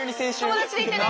友達でいてね。